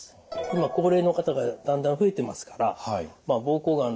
今高齢の方がだんだん増えてますから膀胱がん